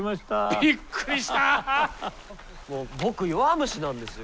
もう僕弱虫なんですよ。